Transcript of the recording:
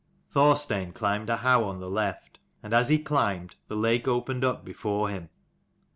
Thorstein climbed a howe on the left : and as he climbed, the lake opened up before him.